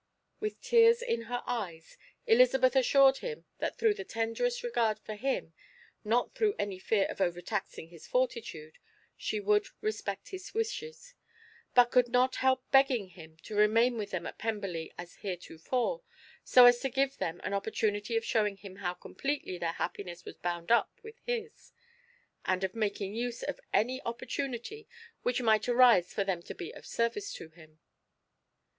With tears in her eyes, Elizabeth assured him that through the tenderest regard for him, not through any fear of overtaxing his fortitude, she would respect his wishes, but could not help begging him to remain with them at Pemberley as heretofore, so as to give them an opportunity of showing him how completely their happiness was bound up with his, and of making use of any opportunity which might arise for them to be of service to him.